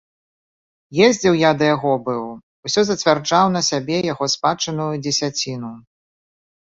Ездзіў я да яго быў, усё зацвярджаў на сябе яго спадчынную дзесяціну.